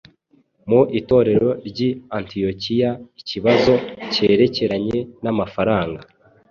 Mu Itorero ry’i Antiyokiya ikibazo cyerekeranye namafaranga